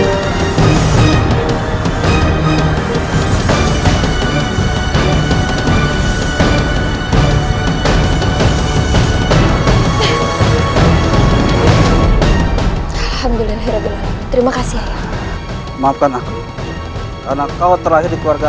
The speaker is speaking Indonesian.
alhamdulillah terima kasih ayah maafkan aku karena kau terakhir di keluarga